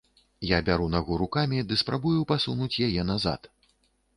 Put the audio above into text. Я бяру нагу рукамі ды спрабую пасунуць яе назад.